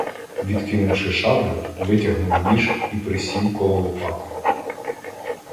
Відкинувши шаблю, витягнув ніж і присів коло Лопати.